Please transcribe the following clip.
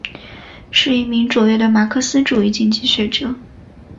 是一名卓越的马克思主义经济学者。